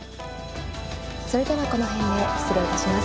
それではこの辺で失礼いたします。